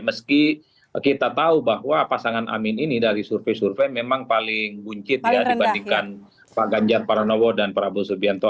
meski kita tahu bahwa pasangan amin ini dari survei survei memang paling buncit ya dibandingkan pak ganjar paranowo dan prabowo subianto